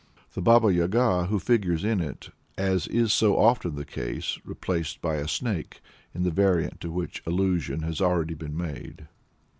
The Baba Yaga who figures in it is, as is so often the case, replaced by a Snake in the variant to which allusion has already been made.